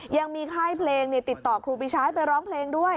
ยังมีค่ายเพลงติดต่อครูปีชาให้ไปร้องเพลงด้วย